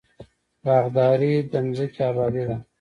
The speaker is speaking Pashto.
باغداري د ځمکې ابادي ده.